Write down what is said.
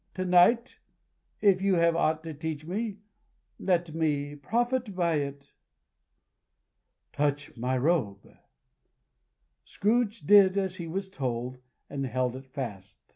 To night, if you have aught to teach me, let me profit by it." "Touch my robe!" Scrooge did as he was told, and held it fast.